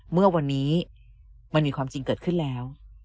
เมื่อวันนี้มันมีความจริงเกิดขึ้นแล้ว